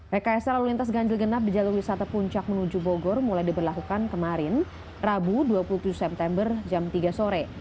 rekayasa lalu lintas ganjil genap di jalur wisata puncak menuju bogor mulai diberlakukan kemarin rabu dua puluh tujuh september jam tiga sore